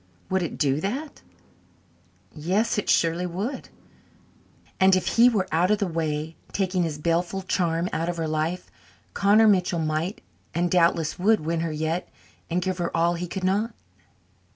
Would it do that? Yes, it surely would. And if he were out of the way, taking his baleful charm out of her life, Connor Mitchell might and doubtless would win her yet and give her all he could not.